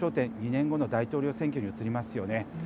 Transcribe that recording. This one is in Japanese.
２年後の大統領選挙に移りますよね。